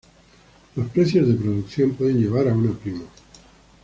Los precios de producción pueden llevar a una prima.